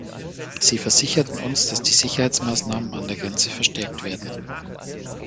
Sie versicherten uns, dass die Sicherheitsmaßnahmen an der Grenze verstärkt werden.